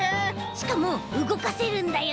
しかもうごかせるんだよ。